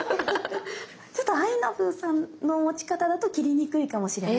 ちょっとあいなぷぅさんの持ち方だと切りにくいかもしれないですね。